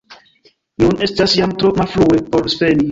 Nun estas jam tro malfrue, por sveni.